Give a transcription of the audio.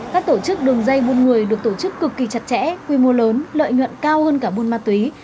các tổ chức đường dây buôn người được tổ chức cực kỳ chặt chẽ quy mô lớn lợi nhuận cao hơn cả buôn ma túy